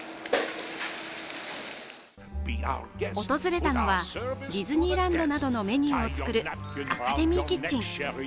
訪れたのはディズニーランドなどのメニューを作るアカデミーキッチン。